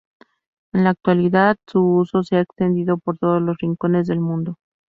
En la actualidad su uso se ha extendido por todos los rincones del mundo.